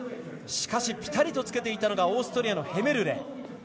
しかしピタリとつけていたのがオーストリアのヘメルレ。